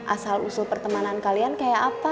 asal usul pertemanan kalian kayak apa